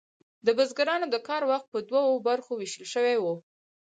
د بزګرانو د کار وخت په دوو برخو ویشل شوی و.